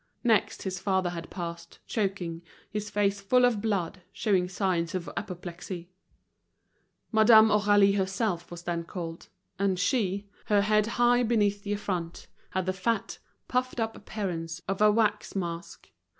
Next his father had passed, choking, his face full of blood, showing signs of apoplexy. Madame Aurélie herself was then called; and she, her head high beneath the affront, had the fat, puffed up appearance of a wax mask.